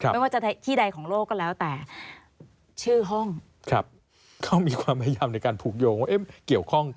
ไม่ว่าที่ใดของโลกก็แล้วแต่